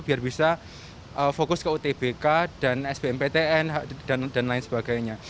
biar bisa fokus ke utbk dan sbmptn dan lain sebagainya